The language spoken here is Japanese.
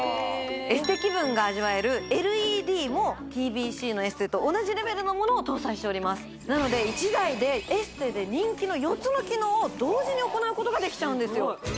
エステ気分が味わえるＬＥＤもＴＢＣのエステと同じレベルのものを搭載しておりますなので１台でエステで人気の４つの機能を同時に行うことができちゃうんですよ